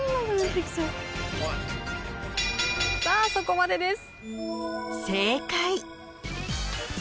さあそこまでです。